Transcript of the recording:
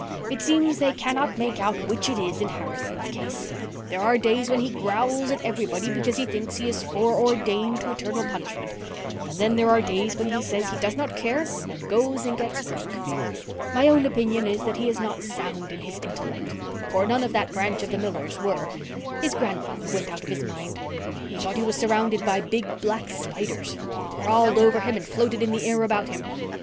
It seems they cannot make out which it is in Harrison's case. There are days when he growls at everybody because he thinks he is fore ordained to eternal punishment. And then there are days when he says he does not care and goes and gets drunk. My own opinion is that he is not sound in his intellect, for none of that branch of the Millers were. His grandfather went out of his mind. He thought he was surrounded by big black spiders. They crawled over him and floated in the air about him.